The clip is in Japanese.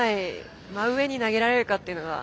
真上に投げられるかっていうのが。